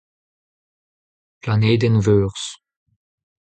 Planedenn Veurzh.